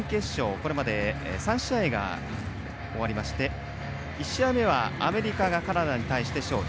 これまで３試合が終わりまして１試合目はアメリカがカナダに対して勝利。